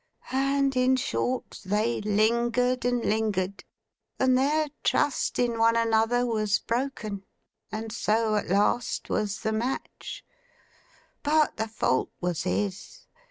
And in short, they lingered and lingered, and their trust in one another was broken, and so at last was the match. But the fault was his.